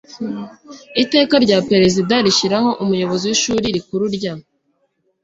Iteka rya Perezida rishyiraho Umuyobozi w Ishuri rikuru ry